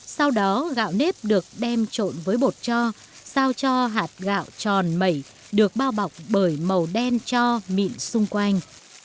sau đó gạo nếp được đem trộn với bột cho sao cho hạt gạo tròn mẩy được bao bọc bởi màu đen cho mịn xung quanh